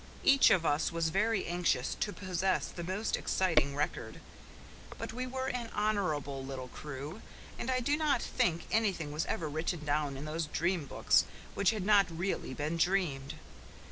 Each of us was very anxious to possess the most exciting record; but we were an honourable little crew, and I do not think anything was ever written down in those dream books which had not really been dreamed.